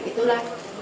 itulah yang penting